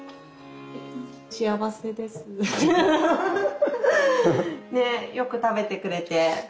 幸せです。ねよく食べてくれて。